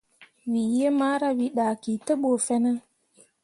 Wǝ yiimara, wǝ dahki te ɓu fine.